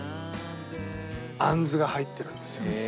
杏子が入ってるんですよ。